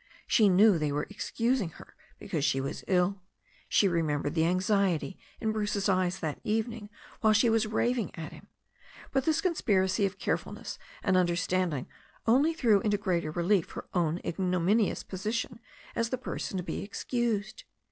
She knew they were excusing her because she was ill. She remembered the anxiety in Bruce's eyes that evening while she was raving at him. But this conspiracy of care fulness and understanding only threw into greater relief her own ignominious position as the person to be excused.